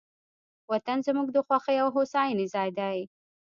وطن زموږ د خوښۍ او هوساینې ځای دی.